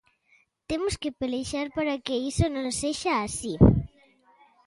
Temos que pelexar para que iso non sexa así.